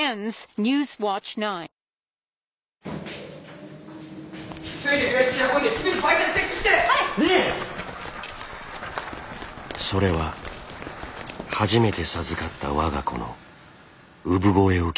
それは初めて授かった我が子の産声を聞くはずの日でした。